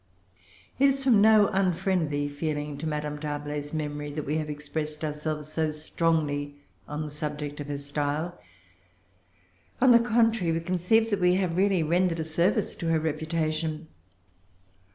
It is from no unfriendly feeling to Madame D'Arblay's memory that we have expressed ourselves so strongly on the subject of her style. On the contrary, we conceive that we have really rendered a service to her reputation.